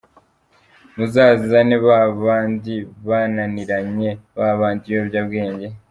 Muzazane ba bandi bananiranye, ba bandi ibiyobyabwenge